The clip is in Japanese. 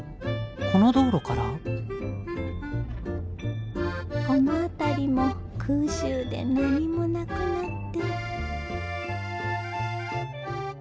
この道路から⁉この辺りも空襲で何もなくなって。